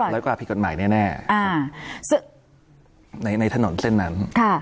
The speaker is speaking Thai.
ร้อยกว่าพิกฎหมายแน่ในถนนเส้นนั้น